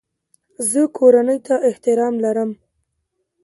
زه کورنۍ ته احترام لرم.